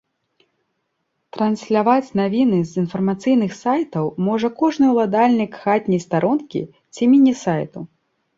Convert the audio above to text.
Трансьляваць навіны з інфармацыйных сайтаў можа кожны ўладальнік хатняй старонкі ці міні-сайту.